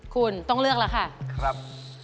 คุณต้องเลือกแล้วค่ะครับ